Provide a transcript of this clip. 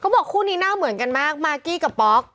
บอกคู่นี้หน้าเหมือนกันมากมากกี้กับป๊อก